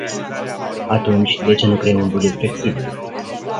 Atunci de ce nu creăm un buget flexibil?